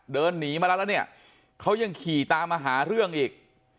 เดินหนีมาแล้วแล้วเนี่ยเขายังขี่ตามมาหาเรื่องอีก